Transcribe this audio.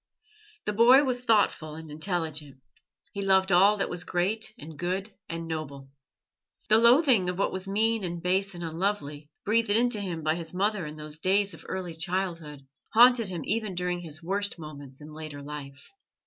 The boy was thoughtful and intelligent; he loved all that was great and good and noble. The loathing of what was mean and base and unlovely, breathed into him by his mother in those days of early childhood, haunted him even during his worst moments in later life.